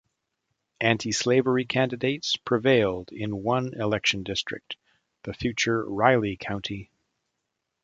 Antislavery candidates prevailed in one election district, the future Riley County.